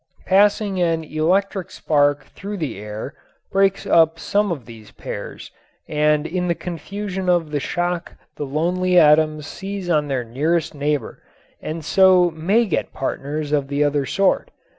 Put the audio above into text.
Passing an electric spark through the air breaks up some of these pairs and in the confusion of the shock the lonely atoms seize on their nearest neighbor and so may get partners of the other sort.